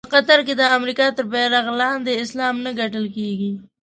په قطر کې د امریکا تر بېرغ لاندې اسلام نه ګټل کېږي.